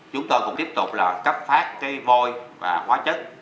chúng tôi cũng tiếp tục là cấp phát cây vôi và hóa chất